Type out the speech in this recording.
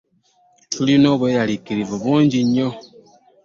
Tulina obweraliikirivu bungi nnyo.